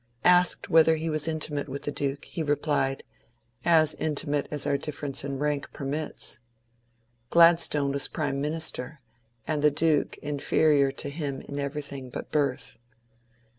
Asked whether he was intimate with the duke, he replied, ^ As intimate as our difference in rank permits.'' Gladstone was Prime Minister, and the duke inferior to him in everything but birth.